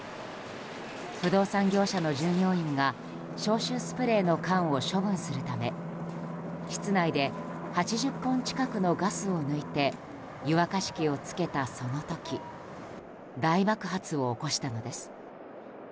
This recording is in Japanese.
不動産業者の従業員が消臭スプレーの缶を処分するため室内で８０本近くのガスを抜いて湯沸かし器をつけたその時大爆発を起こしたのです。